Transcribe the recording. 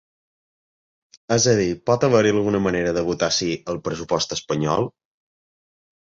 És a dir, pot haver-hi alguna manera de votar sí al pressupost espanyol?